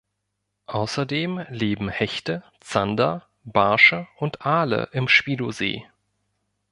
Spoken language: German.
Außerdem leben Hechte, Zander, Barsche, und Aale im Schwielowsee.